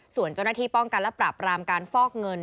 ส่วนเจ้าหน้าที่ป้องกันและปราบรามการฟอกเงิน